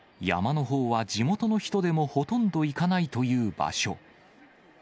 山のほうは地元の人でもほとんど行かないという場所。